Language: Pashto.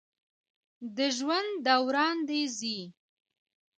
د ژوند دوران د زی